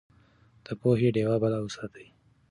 د پوهې ډيوه بله وساتئ.